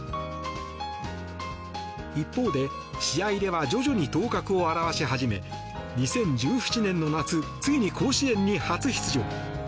一方で、試合では徐々に頭角を現し始め２０１７年の夏ついに甲子園に初出場。